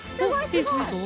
いいぞいいぞ！